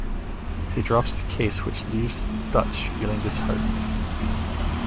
He drops the case which leaves Dutch feeling disheartened.